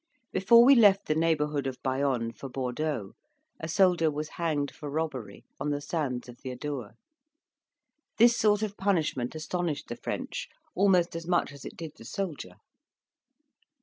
Before we left the neighbourhood of Bayonne for Bordeaux, a soldier was hanged for robbery, on the sands of the Adour. This sort of punishment astonished the French almost as much as it did the soldier.